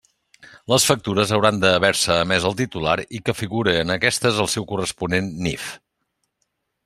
Les factures hauran d'haver-se emés al titular, i que figure en aquestes el seu corresponent NIF.